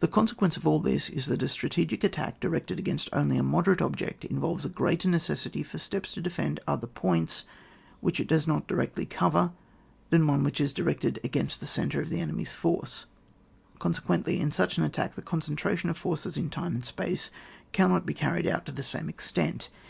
The consequence of all this is that a strategic attack directed against only a moderate object involves a greater necessity for steps to defend other points which it does not directly cover than one which is directed against the centre of the enemy's force; conse quently, in such an attack the concentra tion of forces in time and space cannot be carried out to the same extent.